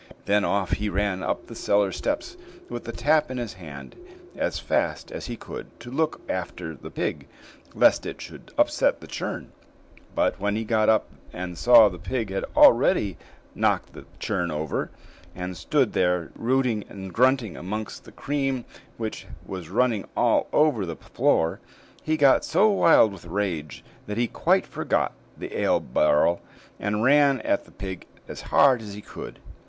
Then off he ran up the cellar steps, with the tap in his hand, as fast as he could, to look after the pig, lest it should upset the churn; but when he got up, and saw the pig had already knocked the churn over, and stood there, routing and grunting amongst the cream which was running all over the floor, he got so wild with rage that he quite forgot the ale barrel, and ran at the pig as hard as he could.